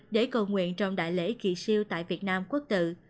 để cầu nguyện trong đại lễ kỳ siêu tại việt nam quốc tự